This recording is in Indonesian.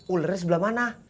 ulernya sebelah mana